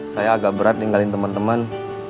saya agak berat ninggalin teman teman